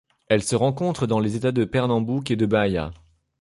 Elles se rencontrent dans les États du Pernambouc et de Bahia.